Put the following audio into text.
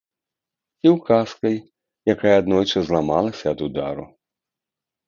Ці ўказкай, якая аднойчы зламалася ад удару.